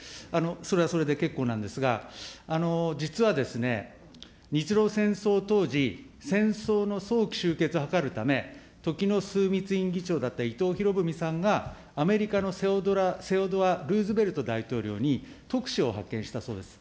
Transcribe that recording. それはそれで結構なんですが、実はですね、日露戦争当時、戦争の早期終結を図るため、ときの枢密院議長だった伊藤博文さんが、アメリカのセオドア・ルーズベルト大統領に特使を派遣したそうです。